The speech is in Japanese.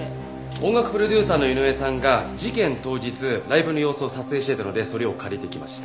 音楽プロデューサーの井上さんが事件当日ライブの様子を撮影していたのでそれを借りてきました。